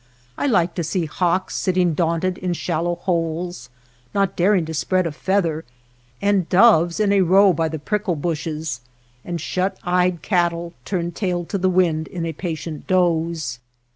I like to see hawks sit ting daunted in shallow holes, not daring to spread a feather, and doves in a row by the prickle bushes, and shut eyed cattle, turned tail to the wind in a patient doze.